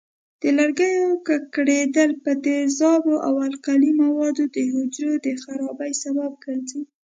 د لرګیو ککړېدل په تیزابونو او القلي موادو د حجرو د خرابۍ سبب ګرځي.